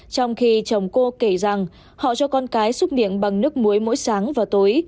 trong khi chồng cô kể rằng họ cho con cái xúc miệng bằng nước muối mỗi sáng và tối